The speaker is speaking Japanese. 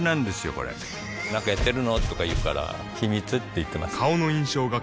これなんかやってるの？とか言うから秘密って言ってます